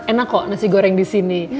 enak kok nasi goreng disini